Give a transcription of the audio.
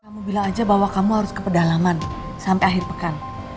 kamu bilang aja bahwa kamu harus ke pedalaman sampai akhir pekan